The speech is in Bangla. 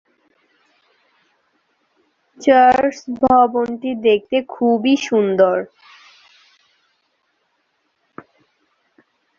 চার্চ ভবনটি দেখতে খুবই সুন্দর।